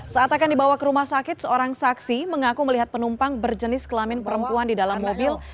saat akan dibawa ke rumah sakit seorang saksi mengaku melihat penumpang berjenis kelamin perempuan di dalam mobil